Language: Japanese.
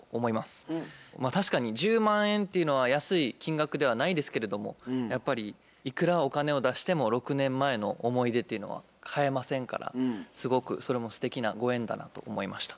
確かに１０万円っていうのは安い金額ではないですけれどもやっぱりいくらお金を出しても６年前の思い出っていうのは買えませんからすごくそれもすてきなご縁だなと思いました。